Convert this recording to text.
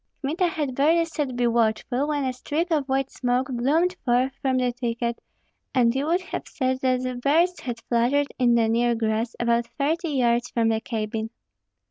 Kmita had barely said, "Be watchful," when a streak of white smoke bloomed forth from the thicket, and you would have said that birds had fluttered in the near grass, about thirty yards from the cabin.